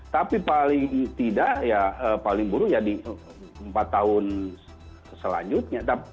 tapi paling tidak ya paling buruk ya di empat tahun selanjutnya